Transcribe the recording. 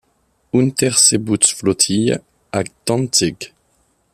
Unterseebootsflottille à Dantzig.